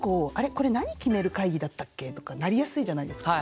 これ何決める会議だったっけ？」とかなりやすいじゃないですか。